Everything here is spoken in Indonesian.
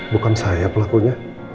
bukan saya pelakunya